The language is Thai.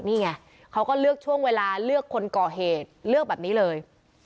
นี่ไงเขาก็เลือกช่วงเวลาเลือกคนก่อเหตุเลือกแบบนี้เลย